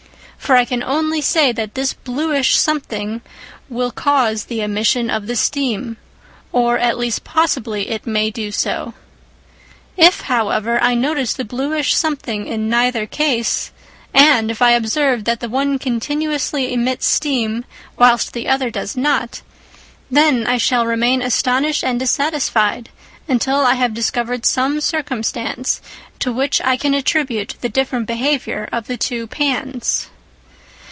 For I can only say that this bluish something will cause the emission of the steam, or at least possibly it may do so. If, however, I notice the bluish something in neither case, and if I observe that the one continuously emits steam whilst the other does not, then I shall remain astonished and dissatisfied until I have discovered some circumstance to which I can attribute the different behaviour of the two pans.